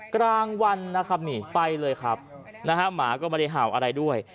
กลางวันนะครับนี่ไปเลยครับนะฮะหมาก็ไม่ได้เห่าอะไรด้วย